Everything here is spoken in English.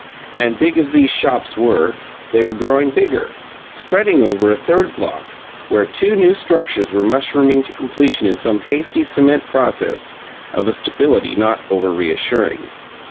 And big as these shops were, they were growing bigger, spreading over a third block, where two new structures were mushrooming to completion in some hasty cement process of a stability not over reassuring.